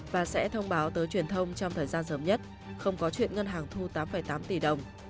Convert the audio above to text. và sẽ thông báo tới truyền thông trong thời gian sớm nhất không có chuyện ngân hàng thu tám tám tỷ đồng